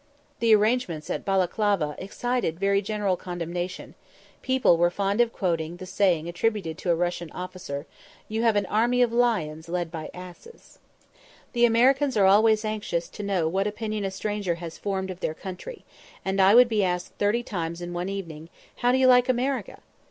The arrangements at Balaklava excited very general condemnation; people were fond of quoting the saying attributed to a Russian officer, "You have an army of lions led by asses." The Americans are always anxious to know what opinion a stranger has formed of their country, and I would be asked thirty times on one evening, "How do you like America?"